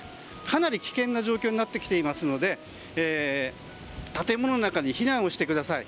かなり危険な状況になってきていますので建物の中に避難してください。